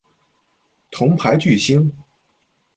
铜牌巨星。